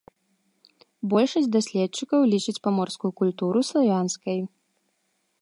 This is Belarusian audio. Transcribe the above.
Большасць даследчыкаў лічыць паморскую культуру славянскай.